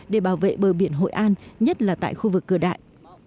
để bảo vệ bờ biển hội an nhất là tại khu vực cửa đại